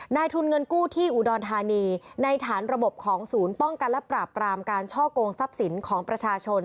นายทุนเงินกู้ที่อุดรธานีในฐานระบบของศูนย์ป้องกันและปราบปรามการช่อกงทรัพย์สินของประชาชน